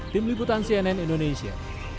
tim liputan cnn indonesia